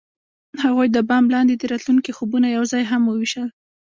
هغوی د بام لاندې د راتلونکي خوبونه یوځای هم وویشل.